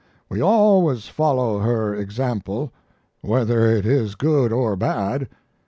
We always follow her example, whether it is good or bad.